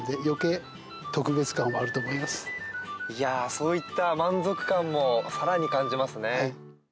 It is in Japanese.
そういった満足感も更に感じますね。